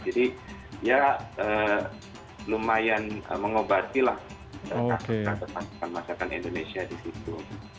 jadi ya lumayan mengobatilah kata kata masyarakat indonesia di situ